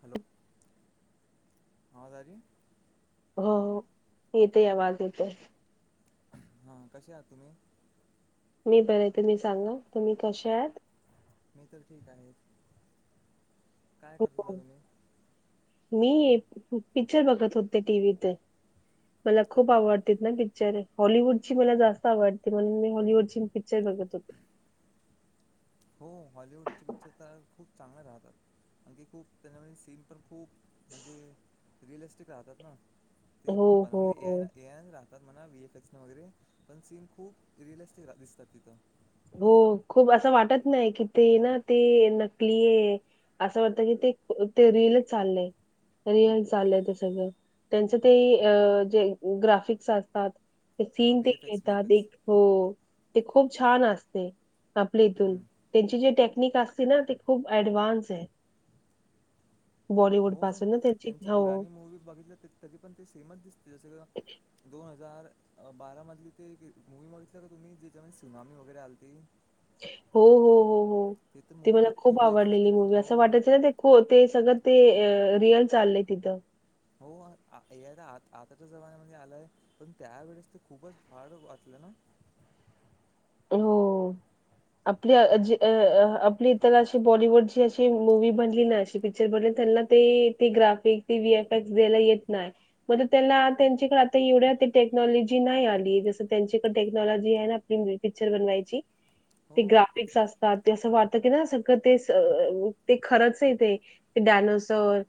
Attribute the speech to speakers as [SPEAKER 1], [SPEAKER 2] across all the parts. [SPEAKER 1] Hello [unintelligible] हा दाजी
[SPEAKER 2] हो येतोय आवाज येतोय.
[SPEAKER 1] हा कसे आहात तुम्ही?
[SPEAKER 2] मी बर तूम्ही सांगा तुम्ही कसे आहात?
[SPEAKER 1] मी तर ठीक आहे. काय करत
[SPEAKER 2] हो
[SPEAKER 1] होता तुम्ही?
[SPEAKER 2] मी पिक्चर बघत होते टीव्ही ते मला खूप
[SPEAKER 1] हो
[SPEAKER 2] आवडते ना पिक्चरे. हॉलिवूड ची मला जास्त आवडते म्हणून मी हॉलवूड ची पिक्चर बघत होते.
[SPEAKER 1] हो हॉलिवूडची पिक्चर तर खूप चांगले राहतात आणखी खूप त्यामुळे सीन पण. खूप म्हणजे रिअलिस्टिक राहतात ना ते
[SPEAKER 2] हो हो
[SPEAKER 1] बनवले
[SPEAKER 2] हो
[SPEAKER 1] ए, एन राहतात. म्हणा एफ, एस वगैरे पण सीन खूप रिअलिस्टिक दिसतात तिथं.
[SPEAKER 2] हो खूप असं वाटत नाही की ते ना ते नकली आहे असं वाटत की. ते ते रीली चालय. रियल चाललय ते सगळं त्यांच ते जे ग्राफिक्स असतात. ते
[SPEAKER 1] हां
[SPEAKER 2] सीन ते
[SPEAKER 1] V F X V F
[SPEAKER 2] घेतात
[SPEAKER 1] एक्स
[SPEAKER 2] एक हो ते खुप छान असते. आपले इथुन त्यांची जे टॅ टेकनीक असते ना ती खुप ऍडवान्स आहे. बॉलिवूड
[SPEAKER 1] हो
[SPEAKER 2] पासून ना
[SPEAKER 1] त्यांची
[SPEAKER 2] हो
[SPEAKER 1] पुराणी मुव्ही बघितल्या तरी पण ते सेमच दिसते जस दोन हजार बारामतीतील ते एक मुव्ही बघीतलेली का तुम्ही तज्याच्यामध्ये सुनामी वगैरे आलती.
[SPEAKER 2] हो हो हो हो
[SPEAKER 1] ते तर
[SPEAKER 2] ती
[SPEAKER 1] मूवी
[SPEAKER 2] मला
[SPEAKER 1] किती
[SPEAKER 2] खुप
[SPEAKER 1] रिएक्सेस
[SPEAKER 2] आवडलेली
[SPEAKER 1] केली
[SPEAKER 2] मुव्ही
[SPEAKER 1] हो
[SPEAKER 2] अस वाटायच ना ते ते सगळं ते रिअल चाललंय तिथं.
[SPEAKER 1] हो आताच्या जमान्यामध्ये आलाय पण त्यावेेळेस ते खुपच हार्ड वाचलं ना ह-
[SPEAKER 2] हो आपली आपली इतर अशी बॉलिवुडची अशी मुव्ही बनली ना अशी पिक्चर बनली. त्यांना ते ग्राफिक वहीफएक्स दयला येत नाही मग त्यांना त्यांच्याकडे आता एवढ्या टेक्नॉलॉजी नाही आली जस त्यांचीकडे टेक्नॉलॉजी आहे ना आपली पिक्चर बनवायची.
[SPEAKER 1] हो
[SPEAKER 2] ते ग्राफिकस असतात ते असं वाटत की सगळं ते ते खरंच ते डायनासोर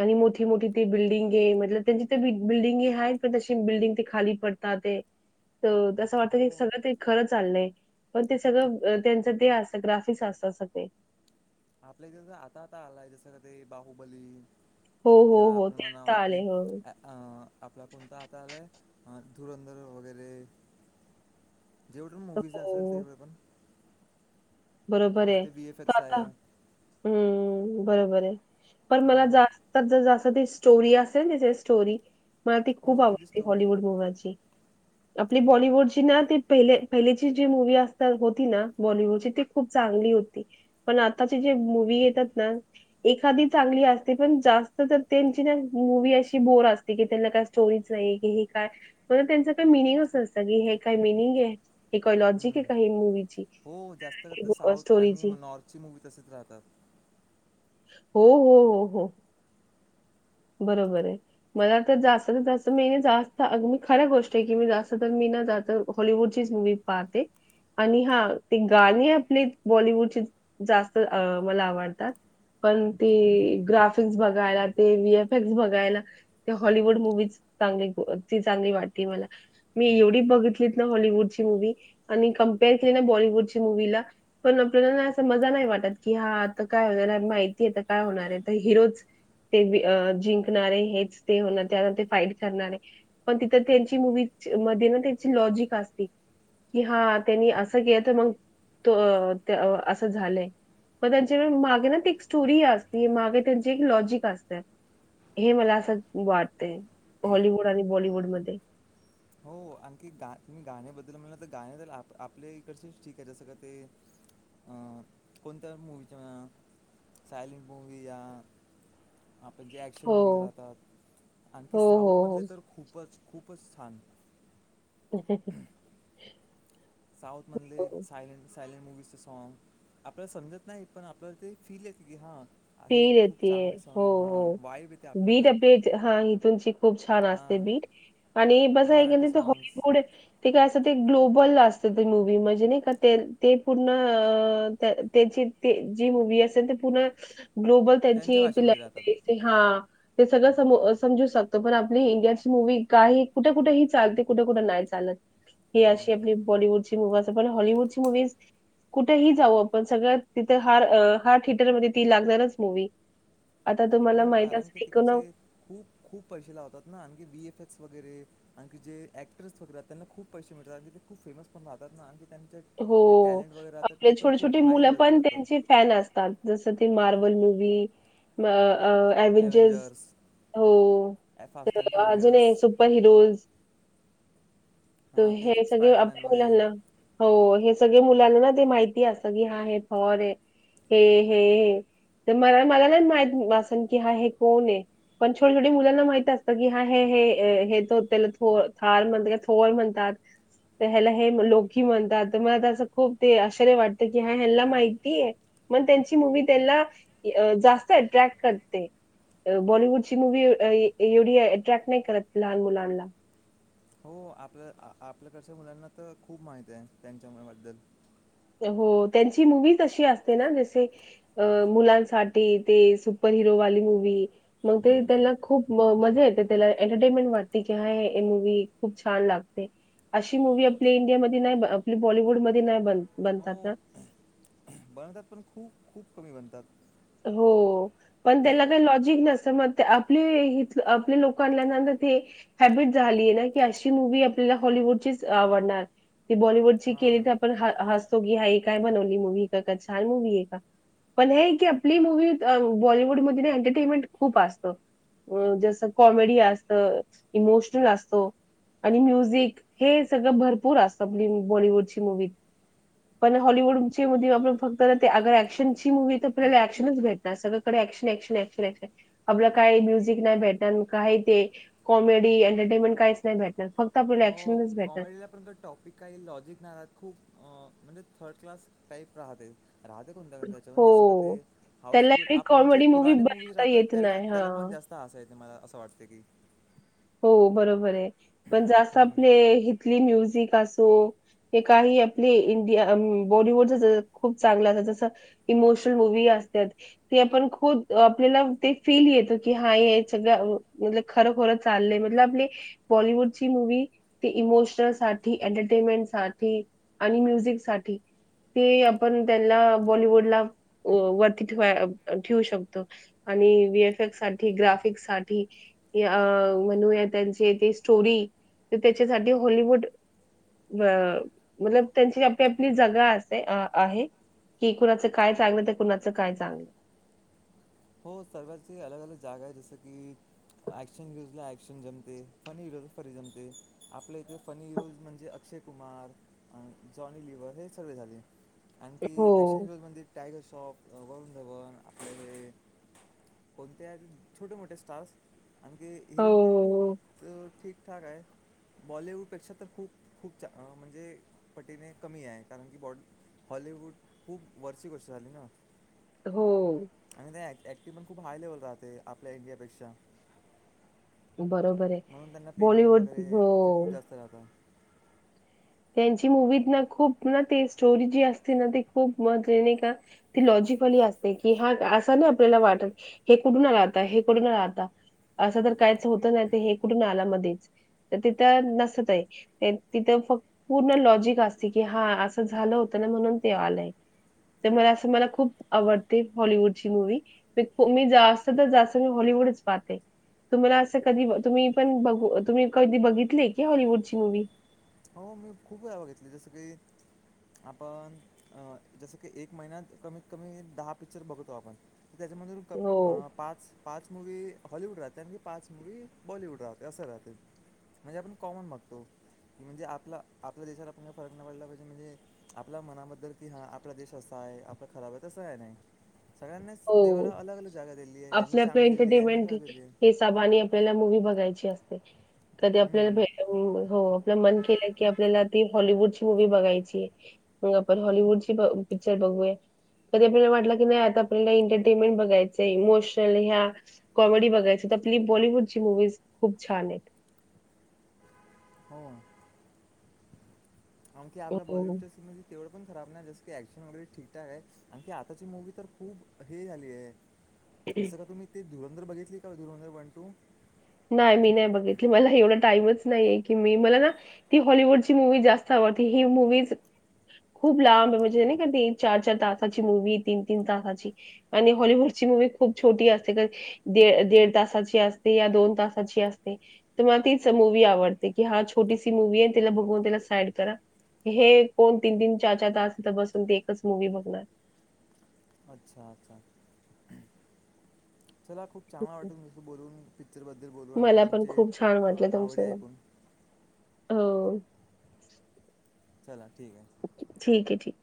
[SPEAKER 2] आणि मोठी मोठी त बिल्डिंगे मतलब त्यांची तर बिल्डिंगे आहेत पण तशी बिल्डिंग ते खाली पडतात. असं वाटत
[SPEAKER 1] हो
[SPEAKER 2] क सगळं चाल पण ते सगळं त्यांच ते असत ग्राफिक असत.
[SPEAKER 1] आपल्या इथ आता आता आलाय जसं क ते बाहुबली.
[SPEAKER 2] हो, हो,
[SPEAKER 1] या
[SPEAKER 2] हो.
[SPEAKER 1] आपण
[SPEAKER 2] ते आता
[SPEAKER 1] म्हणावा कि
[SPEAKER 2] आले. हो.
[SPEAKER 1] अं आपला कोणता हात आलाय हा धुरंधर वगैरे जेवढ पण मुव्हीज असेल
[SPEAKER 2] हो.
[SPEAKER 1] तेवढं पण
[SPEAKER 2] बरोबर आहे
[SPEAKER 1] जिथे वी एफ
[SPEAKER 2] त
[SPEAKER 1] एक्स
[SPEAKER 2] आता
[SPEAKER 1] आहे
[SPEAKER 2] हम्म बरोबर आहे. पण मला
[SPEAKER 1] हां
[SPEAKER 2] जास्तात जास्त त स्टोरी असेल स्टोरी मला ती खुप आवडती हॉलिवुड मुव्ही
[SPEAKER 1] अन ऎंटिलेजेबल
[SPEAKER 2] आपली बॉलिवुडची ना ते पहिले पहिलेची जी मुव्ही असत होती ना बॉलिवुडची ती खुप चांगली होती पण आता जी मुव्ही येतात ना ऐखादी चांगली असते. त्यांची मुव्ही अशी बोर असते की त्यांना काही स्टोरीच नाही. मिनिंग अस असतं की हे काय मिनिंग आहे हे काय लॉजिक आहे काही मुव्ही
[SPEAKER 1] हो जास्त कर साऊथ आणि नॉर्थ ची मुव्ही तसेच राहतात.
[SPEAKER 2] हो हो हो हो बरोबर आहे मला तर जास्त जास्त महिने जास्तग म खऱ्या गोष्ट आहे की मी जास्त तर महि हॉलिवुडची च मुव्ही पाहते. आणि हा ते गाणे आपले बॉलिवुडचे जास्त मला आवडतात. पण ती ग्राफिक्स बघायला ते व एफ बघाय हॉलवुड मुव्ही चांगली वाटली मला मी एवढी अन ऎंटिलेजेबल म नाही वाटत की हा काय माहिती काय होणार हिरो जिंकणार हे होणार त्या फाईट करणार आहे पण तिथ त्यांची मुव्ही मध्ये लॉजिक असती. कि हा त्यांनी असं केलं तर मग तो असं झालंय मग त्यांच्या मागे ना ते एक स्टोरी असते मागे त्यांची एक लॉजिक असते हे मला असं वाटतय हॉलिवुड आणि बॉलिवुड मध्ये.
[SPEAKER 1] हो आणखी ऐक गाण्याबद्दल म्हणलं तर गाण्या तर आपल्या इकडचेच ठीक आहे जसं का ते अं कोणत्या मुवीच्या सायलेंट मुवी या आपण जे ऍक्शन
[SPEAKER 2] हो
[SPEAKER 1] मुव्हीज राहतात आणखी
[SPEAKER 2] हो हो
[SPEAKER 1] साऊथ मधले तर खुपच खुपच छान.
[SPEAKER 2] ह
[SPEAKER 1] साऊथ मध्ये ले सायलेन्स सायलेन्स मुविजचं सॉन्ग आपल्याला समजत नाही पण आपल्याला ते फील येते की हां
[SPEAKER 2] ते
[SPEAKER 1] हे
[SPEAKER 2] रे
[SPEAKER 1] खूप
[SPEAKER 2] ते,
[SPEAKER 1] चांगले सॉन्ग
[SPEAKER 2] हो
[SPEAKER 1] आहे
[SPEAKER 2] हो,
[SPEAKER 1] हां वाईब येते
[SPEAKER 2] बी
[SPEAKER 1] आपल्याला
[SPEAKER 2] द पेच हा ही तुमची खूप छान असते.
[SPEAKER 1] हां
[SPEAKER 2] बी आणि बस
[SPEAKER 1] मराठी सॉन्ग्स
[SPEAKER 2] हॉड काय तर ते ग्लोबल असत ते मूवी म्हणजे नाही का ते पूर्ण तेची जी मूव्हि असेल तर पूर्ण ग्लोबल
[SPEAKER 1] त्यांच्या
[SPEAKER 2] त्यांची
[SPEAKER 1] भाषेमध्ये राहतात
[SPEAKER 2] हा ते सगळं सम सजू शकतो पण आपली इंडियाची मूवी काही कुठे कुठेही चालते कुठे कुठे नाही चालत हि
[SPEAKER 1] हो
[SPEAKER 2] अशी आपली बाॅलीवूड ची मूव्हि अस आपण हॅलीवूडची मूव्हिज कुठेही जाऊ आपण सगळ्या तिथं हार हार ट्येएटरमध्ये ती लागणारच मुव्हि
[SPEAKER 1] हो कारण की तिकडचे खूप खूप पैसे लावतात ना आणखी बीएफफ वगैरे आणखी जे ऍक्टर्स वगैरा त्यांना खूप पैसे मिळतात ते खूप फेमस पण राहतात ना त्यांच्या
[SPEAKER 2] हो
[SPEAKER 1] ते टॅलेंट वगैरे राहतात ते
[SPEAKER 2] आपले
[SPEAKER 1] पण
[SPEAKER 2] छोटे
[SPEAKER 1] खूप
[SPEAKER 2] छोटी
[SPEAKER 1] हाय
[SPEAKER 2] मुलं
[SPEAKER 1] लेवलचे
[SPEAKER 2] पण
[SPEAKER 1] राहतात
[SPEAKER 2] त्यांची फॅन असतात जस ते मार्बल मुव्ही अ अ एव्हेंजर्स
[SPEAKER 1] ॲव्हेंजर्स
[SPEAKER 2] हो
[SPEAKER 1] फास्ट अँड
[SPEAKER 2] तर अजून
[SPEAKER 1] फ्युरियस
[SPEAKER 2] हे सुपर हिरोज त
[SPEAKER 1] हां ते
[SPEAKER 2] हे सगळे
[SPEAKER 1] स्पायडरमॅन
[SPEAKER 2] अवडतात
[SPEAKER 1] वगैरे
[SPEAKER 2] मुलांना हो हेच सगळे मुलांना ना ते माहिती अस की हा हे फॉर ये हे हे हे तर मला मला नाही माहित वासनकी हा हे कोण आहे? पण छोटी छोटी मुलांना माहित असतं की, हा हे हे हे तो त्याला थो थार म्हणतो काय होय म्हणतात तर ह्याला हे लोकी म्हणतात, तर मला ते अस खूप ते आश्चर्य वाटतं की, हा ह्याला माहितीये. मण त्यांची मूवी त्यांना जास्त अट्रॅक्ट करते. बॉलिवूडची मूव्ही अ एवढी अट्रॅक्ट नाही करत लहान मुलांना
[SPEAKER 1] हो आपल्या आपल्याकडच्या मुलांना तर खूप माहित आहे त्यांच्याबद्दल
[SPEAKER 2] हो त्यांची मूव्हि अशी असते ना जसे मुलांसाठी ते सुपर हरो वाली मूव्हि मंग ते त्याना खूप म मज्या येते त्याला एन्टटेनमेन्ट वाटते की हा मूव्हि खूप छान लागते अशी मूव्हि आपली इंडिया मध्ये आप बॉलवूड मध्ये नाही बन बनतात ना
[SPEAKER 1] बनतात पण खूप खूप कमी बनतात
[SPEAKER 2] हो पण त्याला काही लॉजिक नसत मग ते आपली हित आपल्या लोकांना ना ती हॅबिट झालीये ना की अशी मूव्हि आपल्याला हॉलवूडचीच आवडणार ती बॉलिवूडची केली
[SPEAKER 1] हां
[SPEAKER 2] तर आपण हा हासतो की हाय काय बनवली मुव्हि हित तर छान मुव्हि आहे का? पण हे की आपली मूव्हि त बॉलिवूडमध्ये एंन्टटेनमेंट खूप असत हम जसं कॉमेडी असत इमोशनल असतो आणि म्युझिक हे सगळं भरपूर असतं आपली बॉलिवूडची मूव्ही पण हॉलिवूडची मधी आपण फक्त ना ती अग ऍक्शनची मूव्हि तर भेटतात सगळीकडे एक्शन एक्शन एक्शन एक्शन आपल काही म्युझिक नाही भेटणार म का हाय ते कॉमेडी एंन्टटेनमेंट काहीच नाही भेटणार फक्त आपल्याला
[SPEAKER 1] हो
[SPEAKER 2] ऍक्शनच भेटणार
[SPEAKER 1] कॉमेडीला पण तो टॉपिक काही लॉजिक नाही खूप अ म्हणजे थर्ड क्लास टाईप राहते. राहते कोणत्या कोणत्या याच्या मध्ये, जसं का
[SPEAKER 2] हो
[SPEAKER 1] ते
[SPEAKER 2] त्यांना
[SPEAKER 1] हाऊसफुल?
[SPEAKER 2] एवढी
[SPEAKER 1] आपण जे
[SPEAKER 2] कॉमेडी मूवी
[SPEAKER 1] पुराणे मूवीज
[SPEAKER 2] बनवता
[SPEAKER 1] राहतात
[SPEAKER 2] येत
[SPEAKER 1] त्याला
[SPEAKER 2] नाही
[SPEAKER 1] त्याला
[SPEAKER 2] हा
[SPEAKER 1] पण जास्त हासायच ते मला असं वाटते की
[SPEAKER 2] हो बरोबर आहे पण जास्त
[SPEAKER 1] हम्म
[SPEAKER 2] आपले हितली म्युझिक असो, ते काही आपले इंडिया बॉलिवूड जसं खूप चांगलं अस जसं इमोशनल मूव्हि असत्यात, ती आपण खूद आपल्याला ते फिल येत कि, हा हे सगळ मुल खर बोलत चाले मधल आपली बॉलवूड ची मूव्हि ती इमोशनल साठी एंन्टटेनमेंट साठी आणि म्युझिक साठी ते आपण त्यांना बॉलिवूडला वरती ठे ठेवू शकतो. आणि विएफ एफ साठी ग्राफिक साठी म्हणूया त्यांची ती स्टोरी ते त्याच्यासाठी हॉवूड अ मला त्यांची आपली आपली जगा असे आ आहे कि कुणाचं काय चांगलं तर कुणाचं काय चांगलं.
[SPEAKER 1] हो सर्वांची अलग अलग जागा आहे जस की. ॲक्शन न्यूज ला ॲक्शन जमते फनी व्हिडिओ फनी जमते आपल्या इथे फनी व्ह्यूज ला म्हणजे अक्षय कुमार जॉनी लिवर्ह हे सगळे झाले.
[SPEAKER 2] हो,
[SPEAKER 1] आणखी ऍक्शन शोज मध्ये टायगर शॉफ वरुण धवन आपले हे. कोणते आहेत छोटे मोठे स्टार्स आणखी
[SPEAKER 2] हो,
[SPEAKER 1] हीरोइन पण अ
[SPEAKER 2] हो,
[SPEAKER 1] खूप ठीकठाक हाय. बॉलिवूड पेक्षा तर खूप खूप चा अ म्हणजे पटीने कमी आहे, कारण की बॉ हॉलिवूड खूप वरची गोष्ट झाली ना.
[SPEAKER 2] हो.
[SPEAKER 1] आणि ते ऍ ऍक्टिंग पण खूप हाय लेवल राहते, आपल्या इंडिया पेक्षा.
[SPEAKER 2] बरोबर आहे, बॉलिवूड
[SPEAKER 1] वगैरे
[SPEAKER 2] हो.
[SPEAKER 1] ते खूप जास्त राहतं
[SPEAKER 2] त्यांची मूवीत ना खूप ना ते स्टोरी जी असते ना ते खूप म्हणजे नाय का ते लॉजिक कली असते, की हा असं नाही आपल्याला वाटत, हे कुठून आलं आता हे कुठून आलं आता? असं तर काहीच होत नाही तर हे कुठून आला मध्येच, तर तिथं नसतंय, ते तिथं फक् पूर्ण लॉजिक असते, की हा असं झालं होतं ना म्हणून ते आलंय. तर मला असं मला खूप आवडते हॉलवूडची मूवी, मी जास्त तर जास्त मी हॉलिवु वुडच पाहते. तुम्हाला असं कधी तुम्ही पण बघु, तुम्ही कधी बघितले की हॉलिवूडची मूवी?
[SPEAKER 1] हो मी खूप वेळा बघितली जसं की आपण अ जसं की एक महिन्यात कमीत कमी दहा पिक्चर बघतो आपण. त्याच्यामध्ये
[SPEAKER 2] हो
[SPEAKER 1] नुसतं पाच पाच मूवी हॉलिवूड राहते, आणि ते पाच मूवी बॉलिवूड राहते असं राहते. म्हणजे आपण कॉमन बघतो. नाय म्हणजे आपला आपल्या देशाला पण फरक नाही पडला पाहिजे, म्हणजे आपल्या मनाबद्दल कि हा आपला देश असा आहे आपला खराब आहे, तसं काय नाही. सगळ्यांनाच
[SPEAKER 2] हो
[SPEAKER 1] देवाला अलग अलग जागा दिली आहे यांना
[SPEAKER 2] आपलं आपलं
[SPEAKER 1] चांगली दिली
[SPEAKER 2] एंटरटेनमेंट
[SPEAKER 1] यांना [unintelligible] दिली आहे.
[SPEAKER 2] ची असते. कधी आपल्याला
[SPEAKER 1] हम्म,
[SPEAKER 2] भेटू, हो आपलं मन केलं की आपल्याला ती हॉलिवूडची मूवी बघायची मग आपण हॉलिवूड ची ब पिक्चर बघूया, कधी आपल्याला वाटलं की नाही आता आपल्याला एंटरटेनमेंट बघायचय, इमोशनल ह्या कॉमेडी बघायचं तर आपली बॉलिवूडची मुव्हीज खूप छान आहेत.
[SPEAKER 1] हो. आणखी आपल्या
[SPEAKER 2] हो.
[SPEAKER 1] बॉलीवूडच्या सीन मध्ये तेवढं पण खराब नाही जसं की ऍक्शन वगैरे ठीकठाक आहे, आन ती आताची मूवी तर खूप हे आली आहे. जसं का तुम्ही ते धुरंधर बघितली का धुरंधर वन टू?
[SPEAKER 2] नाही मी नाही बघितली, मला एवढा टाईमच नाहीए की मी मला ना ती हॉलवूडची मूवी जास्त आ वती ही मूवीज खूप लांब म्हणजे नाय का ते चार चार तासाची मूवी तीन तीन तासाची आणि हॉलिवूडची मूवी खूप छोटी असते, का दि दीड तासाची असते या दोन तासाची असते, तर मला तीच मुवी आवडते, की हा छोटीशी मूवी आहे तिला बघून तिला साईड करा. हे कोण तीन तीन चार चार तास तिथं बसून ते एकच मुवी बघणार?
[SPEAKER 1] अच्छा अच्छा. चला खूप चांगला वाटलं तुमच्याशी बोलून. पिक्चरबद्दल बोलून आणखी
[SPEAKER 2] मला पण
[SPEAKER 1] तुमचे
[SPEAKER 2] खूप छान वाटलं
[SPEAKER 1] आवडे
[SPEAKER 2] तुमचं
[SPEAKER 1] ऐकून.
[SPEAKER 2] हो.
[SPEAKER 1] चला ठीक आहे
[SPEAKER 2] ठीक आहे ठीक